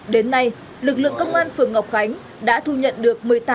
đến nay lực lượng công an phường ngọc khánh đã thu nhận được